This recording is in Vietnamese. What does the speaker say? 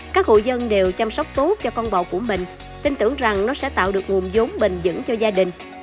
các hộ dân đều chăm sóc tốt cho con bò của mình tin tưởng rằng nó sẽ tạo được nguồn giống bình dững cho gia đình